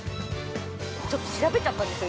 ◆ちょっと調べちゃったんですよ